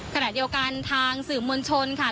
ขณะเดียวกันทางสื่อมวลชนค่ะ